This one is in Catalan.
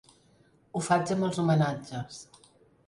Ho faig amb els homenatges.